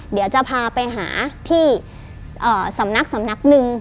เดี๋ยวจะพาไปหาที่สำนักนึง